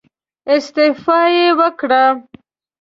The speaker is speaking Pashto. استعفا يې وکړه.